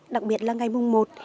đặc biệt là ngày mùng một